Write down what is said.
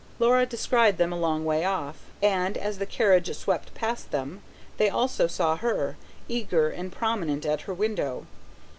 Laura descried them a long way off; and, as the carriage swept past them, they also saw her, eager and prominent at her window.